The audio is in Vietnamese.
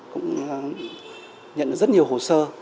cũng nhận được rất nhiều hồ sơ